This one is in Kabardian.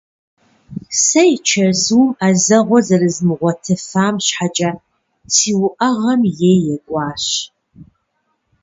Сэ и чэзум ӏэзэгъуэ зэрызмыгъуэтыфам щхьэкӏэ си уӏэгъэм е екӏуащ.